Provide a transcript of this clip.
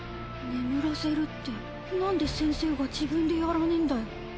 眠らせるって何で先生が自分でやらねんだよ。